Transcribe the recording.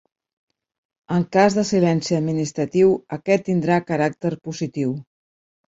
En cas de silenci administratiu aquest tindrà caràcter positiu.